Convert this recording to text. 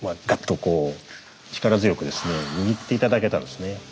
こう力強くですね握って頂けたんですね。